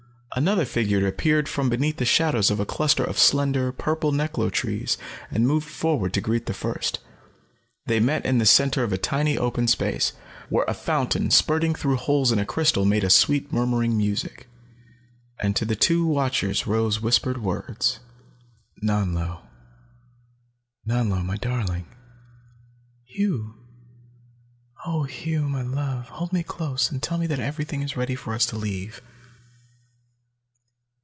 Another figure appeared from beneath the shadows of a cluster of slender, purple neklo trees and moved forward to greet the first. They met in the center of a tiny open space, where a fountain spurting through holes in crystal made a sweet murmuring music. And to the two watchers rose whispered words "Nanlo! Nanlo, my darling!" "Hugh! Oh, Hugh, my love, hold me close and tell me that everything is ready for us to leave!"